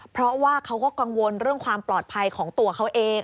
เพราะว่าเขาก็กังวลเรื่องความปลอดภัยของตัวเขาเอง